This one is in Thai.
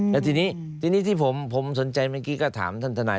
แล้วทีนี้ทีนี้ที่ผมสนใจเมื่อกี้ก็ถามท่านทนาย